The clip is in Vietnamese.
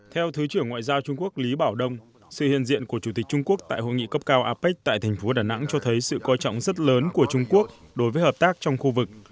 theo thứ trưởng ngoại giao trung quốc lý bảo đông sự hiện diện của chủ tịch trung quốc tại hội nghị cấp cao apec tại thành phố đà nẵng cho thấy sự coi trọng rất lớn của trung quốc đối với hợp tác trong khu vực